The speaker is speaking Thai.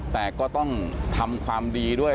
แต่ก็ต้องทำความดีด้วย